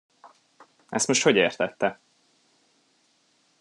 Ezt most hogy értette?